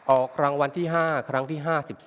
ออกรางวัลที่๕ครั้งที่๕๒